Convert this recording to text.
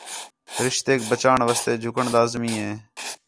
رشتیک بچاوݨ واسطے جُھکݨ لازمی ہے